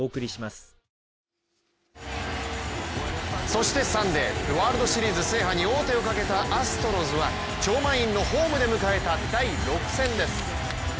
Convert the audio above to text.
そしてサンデーワールドシリーズ制覇に王手をかけたアストロズは超満員のホームで迎えた第６戦です